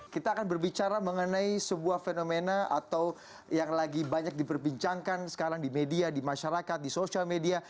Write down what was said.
kita akan berbicara mengenai sebuah fenomena atau yang lagi banyak diperbincangkan sekarang di media di masyarakat di sosial media